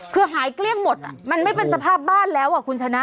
คือหายเกลี้ยงหมดมันไม่เป็นสภาพบ้านแล้วอ่ะคุณชนะ